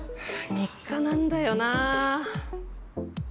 ３日なんだよな。